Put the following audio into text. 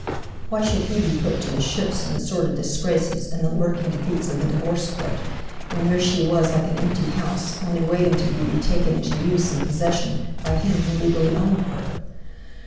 Why should he be put to the shifts and the sordid disgraces and the lurking defeats of the Divorce Court, when there she was like an empty house only waiting to be retaken into use and possession by him who legally owned her?